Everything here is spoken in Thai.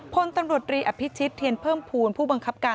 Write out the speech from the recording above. พลตำรวจรีอภิชิตเทียนเพิ่มภูมิผู้บังคับการ